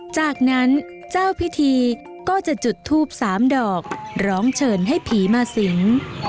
จากนั้นเจ้าพิธีก็จะจุดทูบ๓ดอกร้องเชิญให้ผีมาสิง